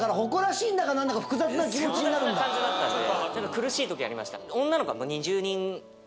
苦しいときありました。